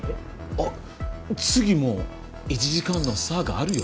あっ次も１時間の差があるよ。